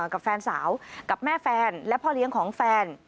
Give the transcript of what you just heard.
กับแฟนสาวกับแม่แฟนและพ่อเลี้ยงของแฟน